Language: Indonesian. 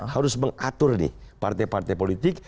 harus mengatur nih partai partai politik